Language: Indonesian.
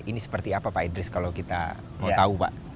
ini seperti apa pak idris kalau kita mau tahu pak